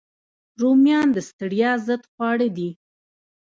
رومیان د ستړیا ضد خواړه دي